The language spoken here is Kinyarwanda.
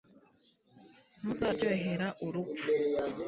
Ntuzaryohera urupfu